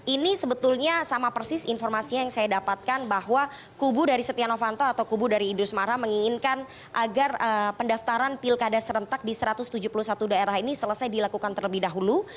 ini sebetulnya sama persis informasi yang saya dapatkan bahwa kubu dari setia novanto atau kubu dari idrus marham menginginkan agar pendaftaran pilkada serentak di satu ratus tujuh puluh satu daerah ini selesai dilakukan terlebih dahulu